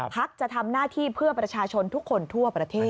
จะทำหน้าที่เพื่อประชาชนทุกคนทั่วประเทศ